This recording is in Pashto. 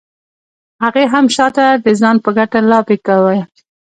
هغې هم شاته د ځان په ګټه لابي کاوه.